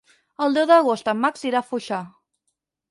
El deu d'agost en Max irà a Foixà.